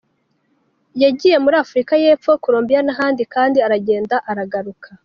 Yagiye muri Afurika y’Epfo, Colombia, n’ahandi, kandi aragenda aragaruka.